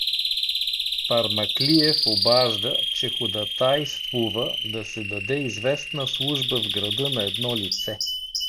Пармаклиев обажда, че ходатайствува да се даде известна служба в града на едно лице.